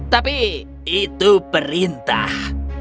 tapi itu perintah